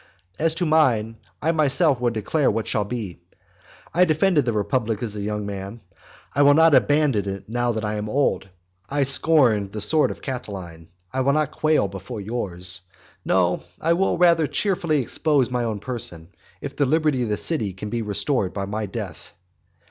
As to mine, I myself will declare what that shall be. I defended the republic as a young man, I will not abandon it now that I am old. I scorned the sword of Catiline, I will not quail before yours. No, I will rather cheerfully expose my own person, if the liberty of the city can be restored by my death.